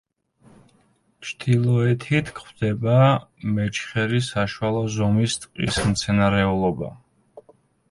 ჩრდილოეთით გვხვდება, მეჩხერი საშუალო ზომის ტყის მცენარეულობა.